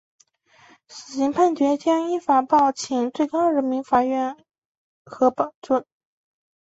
死刑判决将依法报请最高人民法院核准。